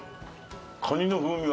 カニの風味が。